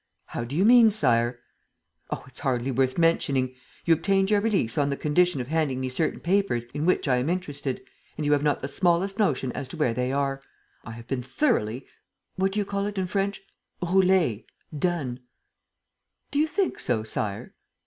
"How do you mean, Sire?" "Oh, it's hardly worth mentioning! You obtained your release on the condition of handing me certain papers in which I am interested and you have not the smallest notion as to where they are. I have been thoroughly what do you call it, in French? roulé 'done'!" "Do you think so, Sire?"